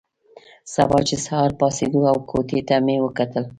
سبا چې سهار پاڅېدو او کوټې ته مې وکتل.